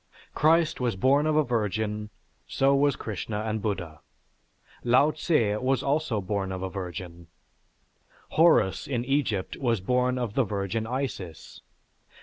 Christ was born of a virgin, so was Krishna and Buddha. Lao Tsze was also born of a virgin. Horus in Egypt was born of the Virgin Isis.